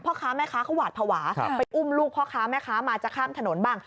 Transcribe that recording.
พ่อค้าแม่ค้าเขาหวาดภาวะไปอุ้มลูกพ่อค้าแม่ค้ามาจะข้ามถนนบ้าง